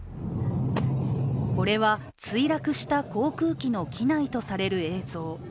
これは墜落した航空機の機内とされる映像。